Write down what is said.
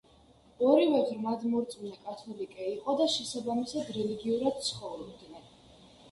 ორივე ღრმადმორწმუნე კათოლიკე იყო და შესაბამისად რელიგიურად ცხოვრობდნენ.